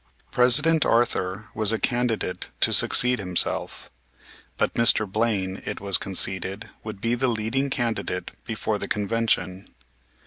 President Arthur was a candidate to succeed himself; but Mr. Blaine, it was conceded, would be the leading candidate before the Convention.